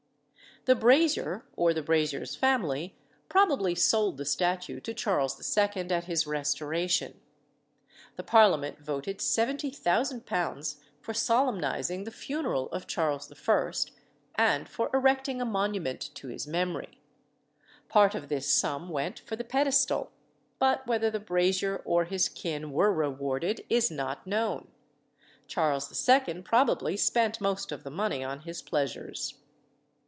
The brazier, or the brazier's family, probably sold the statue to Charles II. at his restoration. The Parliament voted £70,000 for solemnising the funeral of Charles I., and for erecting a monument to his memory. Part of this sum went for the pedestal, but whether the brazier or his kin were rewarded is not known. Charles II. probably spent most of the money on his pleasures.